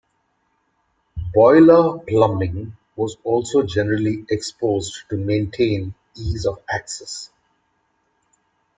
Boiler 'plumbing' was also generally exposed to maintain ease of access.